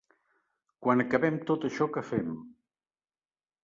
Quan acabem tot això que fem.